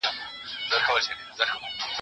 نه څښتن خبرېده، نه سپي غپېده، غل هسي و تښتېده.